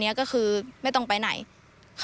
ไลน์ขอความช่วยเหลือจากเพื่อนฟังเสียหายดูนะคะ